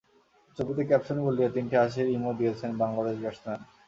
ছবিতে ক্যাপশন বলতে তিনটি হাসির ইমো দিয়েছেন বাংলাদেশ ব্যাটসম্যান।